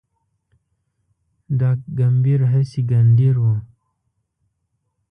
ډاګ کمبېر هسي ګنډېر و